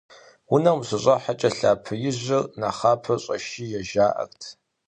Унэм ущыщӏыхьэкӏэ лъапэ ижьыр нэхъапэ щӏэшие жаӏэрт.